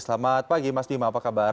selamat pagi mas bima apa kabar